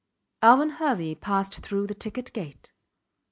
Alvan Hervey passed through the ticket gate.